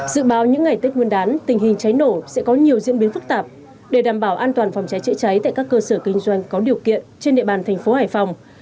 dự báo những ngày tết nguyên đán tình hình cháy nổ sẽ có nhiều diễn biến phức tạp để đảm bảo an toàn phòng cháy chữa cháy tại các cơ sở kinh doanh có điều kiện trên địa bàn thành phố hải phòng